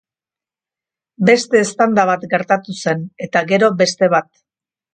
Beste eztanda bat gertatu zen, eta gero beste bat.